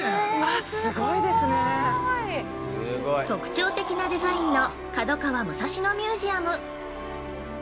特徴的なデザインの角川武蔵野ミュージアム。